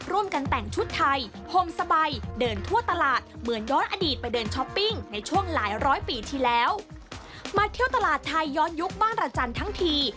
ร่วมกันแต่งชุดไทย